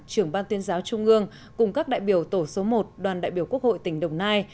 trưởng ban tuyên giáo trung ương cùng các đại biểu tổ số một đoàn đại biểu quốc hội tỉnh đồng nai